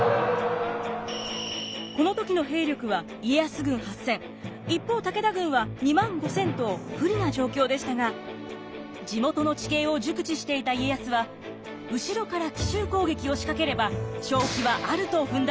この時の兵力は家康軍８，０００一方武田軍は２万５，０００と不利な状況でしたが地元の地形を熟知していた家康は後ろから奇襲攻撃を仕掛ければ勝機はあると踏んだのです。